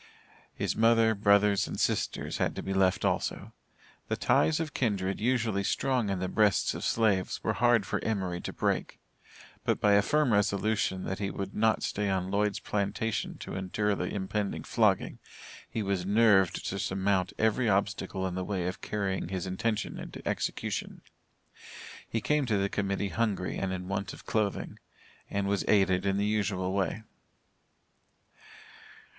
His mother, brothers, and sisters had to be left also. The ties of kindred usually strong in the breasts of slaves, were hard for Emory to break, but, by a firm resolution, that he would not stay on Lloyd's plantation to endure the impending flogging, he was nerved to surmount every obstacle in the way of carrying his intention into execution. He came to the Committee hungry and in want of clothing, and was aided in the usual way.